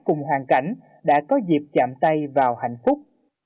chạm tay vào hạnh phúc